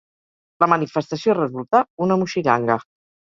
La manifestació resultà una moixiganga.